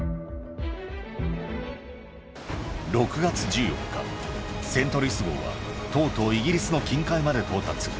６月１４日、セントルイス号は、とうとうイギリスの近海まで到達。